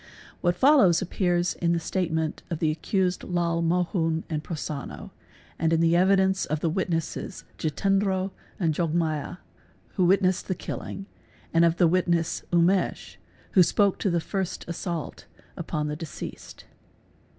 What followed appears in the S statements of the accused Lal Mohun and Prosonno, and in the evidence "of the witnesses Jitendro and Jogmaya, who witnessed the killing, and of the witness Umesh, who spoke to the first assault upon the deceased.